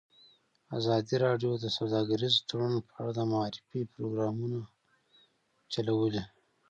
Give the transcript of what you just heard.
ازادي راډیو د سوداګریز تړونونه په اړه د معارفې پروګرامونه چلولي.